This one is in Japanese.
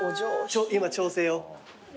今調整を？